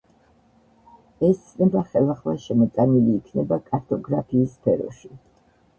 ეს ცნება ხელახლა შემოტანილი იქნება კარტოგრაფიის სფეროში.